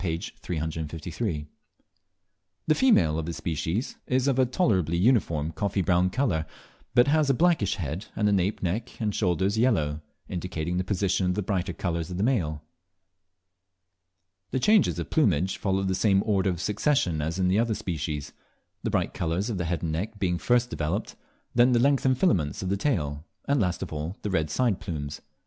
353.) The female of this species is of a tolerably uniform coffee brown colour, but has a blackish head, and the nape neck, and shoulders yellow, indicating the position of the brighter colours of the male. The changes of plumage follow the same order of succession as in the other species, the bright colours of the head and neck being first developed, then the lengthened filaments of the tail, and last of all, the red side plumes.